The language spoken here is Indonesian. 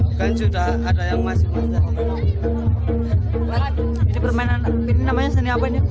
ini permainan ini namanya seni apa ini